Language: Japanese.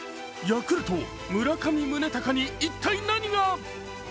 ヤクルト・村上宗隆に一体何が？